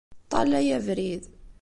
Ṭṭalay abrid.